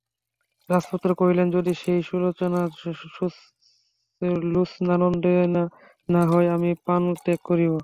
রাজপুত্র কহিলেন, যদি সেই সুলোচনা লোচনানন্দদায়িনী না হয় আমি প্রাণত্যাগ করিব।